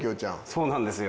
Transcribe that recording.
そうなんですよ。